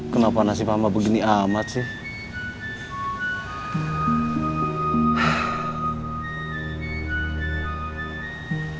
kenapa nasib mama begini amat sih